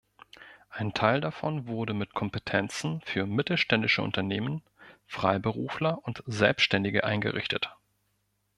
Ein Teil davon wurde mit Kompetenzen für Mittelständische Unternehmen, Freiberufler und Selbstständige eingerichtet.